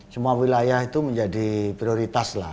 semua wilayah itu menjadi